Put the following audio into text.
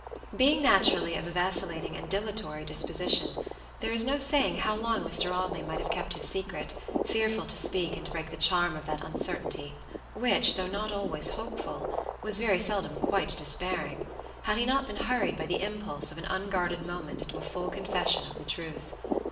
Being naturally of a vacillating and dilatory disposition, there is no saying how long Mr. Audley might have kept his secret, fearful to speak and break the charm of that uncertainty which, though not always hopeful, was very seldom quite despairing, had not he been hurried by the impulse of an unguarded moment into a full confession of the truth.